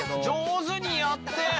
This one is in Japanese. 上手にやって。